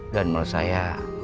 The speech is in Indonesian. dan menurut saya